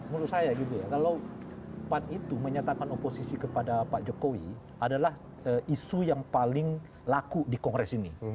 menurut saya gitu ya kalau pan itu menyatakan oposisi kepada pak jokowi adalah isu yang paling laku di kongres ini